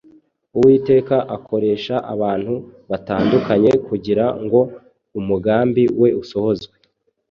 Uwiteka akoresha abantu batandukanye kugira ngo umugambi we usohozwe,